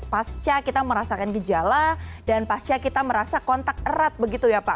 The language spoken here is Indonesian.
pasca kita merasakan gejala dan pasca kita merasa kontak erat begitu ya pak